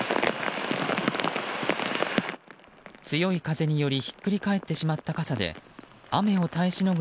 強い風によりひっくり返ってしまった傘で雨を耐えしのぐ